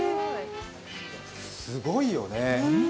すごいよね。